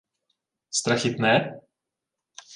— Страхітне?